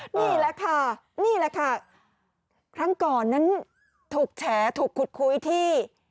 นี่แหละค่ะนี่แหละค่ะครั้งก่อนนั้นถูกแฉถูกขุดคุยที่